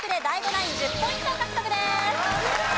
ナイン１０ポイント獲得です。